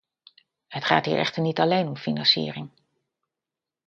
Het gaat hier echter niet alleen om financiering.